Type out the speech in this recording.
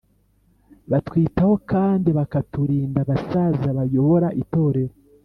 Batwitaho kandi bakaturinda Abasaza bayobora itorero